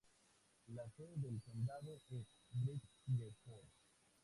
La sede del condado es Bridgeport.